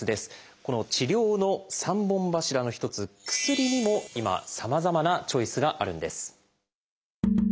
この治療の三本柱の一つ薬にも今さまざまなチョイスがあるんです。